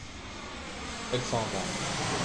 elle s'en va.